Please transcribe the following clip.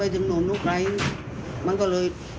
จึงจบโน้นพวกมันก็เลย